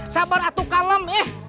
sabar atu kalem